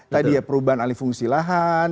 tadi ya perubahan alih fungsi lahan